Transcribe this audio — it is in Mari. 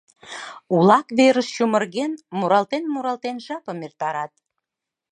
Улак верыш чумырген, муралтен-муралтен, жапым эртарат.